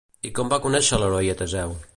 Com va conèixer l'heroi a Teseu?